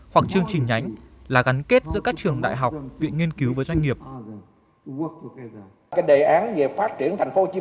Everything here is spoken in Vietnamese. hoặc chương trình nhánh là gắn kết giữa các trường đại học viện nghiên cứu với doanh nghiệp